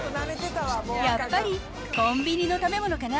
やっぱりコンビニの食べ物かな。